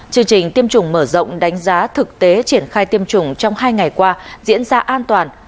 chương trình tiêm chủng mở rộng đánh giá thực tế triển khai tiêm chủng trong hai ngày qua diễn ra an toàn